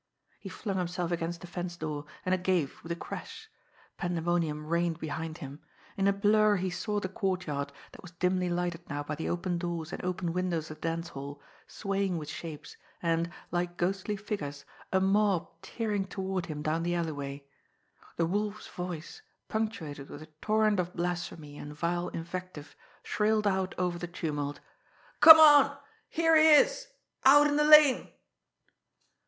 He flung himself against the fence door, and it gave with a crash. Pandemonium reigned behind him. In a blur he saw the courtyard, that was dimly lighted now by the open doors and open windows of the dance hall, swaying with shapes, and, like ghostly figures, a mob tearing toward him down the alleyway. The Wolf's voice, punctuated with a torrent of blasphemy and vile invective, shrilled out over the tumult: "Come on! Here he is! Out in the lane!"